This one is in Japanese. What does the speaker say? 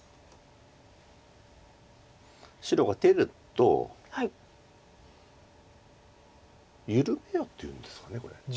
白が出ると緩めようっていうんですかこれ。